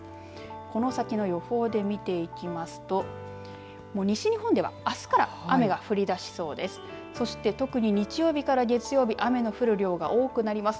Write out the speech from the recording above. この先の予報で見ていきますと西日本ではあすから雨が降り出しそうです。